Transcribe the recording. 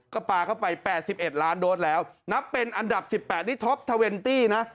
ก็ปลาเข้าไปแปดสิบเอ็ดล้านโดสแล้วนับเป็นอันดับสิบแปดที่ท็อปทาเวนตี้นะ